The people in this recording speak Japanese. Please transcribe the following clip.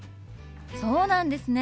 そうなんですね。